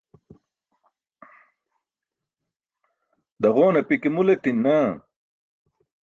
Daġowan api ke mul etin naa.